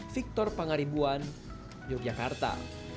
victor pangaribuan yogyakarta